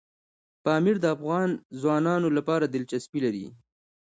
پامیر د افغان ځوانانو لپاره دلچسپي لري.